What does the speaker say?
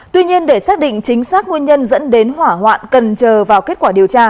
tuy nhiên để xác định chính xác nguyên nhân dẫn đến hỏa hoạn cần chờ vào kết quả điều tra